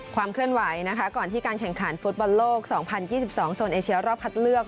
ความเคลื่อนไหวนะคะก่อนที่การแข่งขันฟุตบอลโลก๒๐๒๒โซนเอเชียรอบคัดเลือก